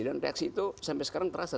reaksi itu sampai sekarang terasa